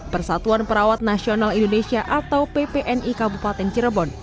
persatuan perawat nasional indonesia atau ppni kabupaten cirebon